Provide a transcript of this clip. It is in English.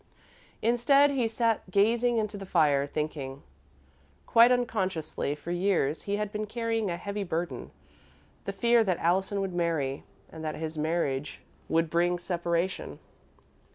Instead, he sat gazing into the fire, thinking. Quite unconsciously, for years, he had been carrying a heavy burden the fear that Allison would marry and that his marriage would bring separation.